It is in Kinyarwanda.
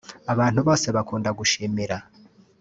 Abantu bose bakunda gushimira